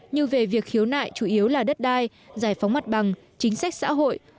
như về việc khiếu nại chủ yếu là đất đai giải phóng mặt bằng chính sách xã hội